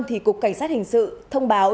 thì cục cảnh sát hình sự thông báo